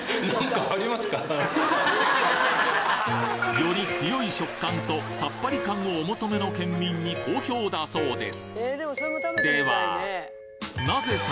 より強い食感とさっぱり感をお求めの県民に好評だそうです